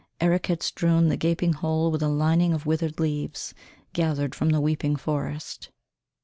Eric had strewn the gaping hole with a lining of withered leaves, gathered from the weeping forest.